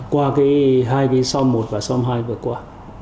qua cái hai cái song một và song hai vừa qua